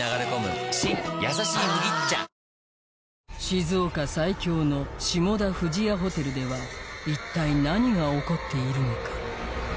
静岡最恐の下田富士屋ホテルでは一体何が起こっているのか？